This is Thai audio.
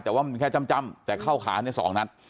แต่ว่ามันแค่จ้ำแต่เข้าขาเนี่ย๒นัด